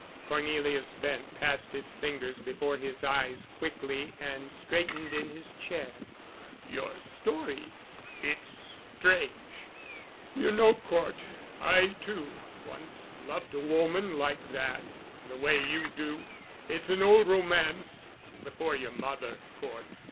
Cornelius Bent passed his fingers before his eyes quickly and straightened in his chair. "Your story. It's strange. You know, Cort, I, too, once loved a woman like that—the way you do. It's an old romance—before your mother, Cort.